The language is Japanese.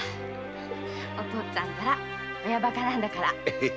お父っつぁんたら親バカなんだから。